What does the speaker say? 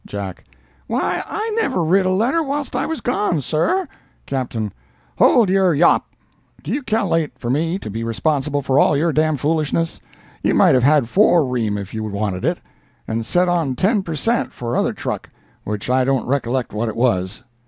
Jack—"Why, I never writ a letter whilst I was gone, sir." Captain—"Hold your yop! Do you cal'late for me to be responsible for all your dam foolishness? You might have had four ream, if you'd wanted it. And set on ten per cent. for other truck, which I don't recollect what it was."